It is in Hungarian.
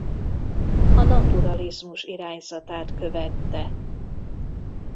A naturalizmus irányzatát követte.